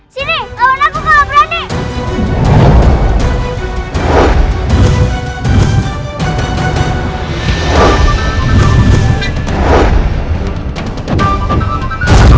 sini lawan aku kalau berani